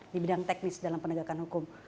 di bidang teknis dalam penegakan hukum